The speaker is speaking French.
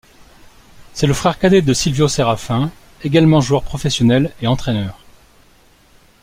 C’est le frère cadet de Silvio Sérafin, également joueur professionnel et entraîneur.